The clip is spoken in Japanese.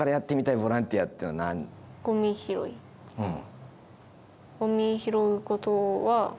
うん。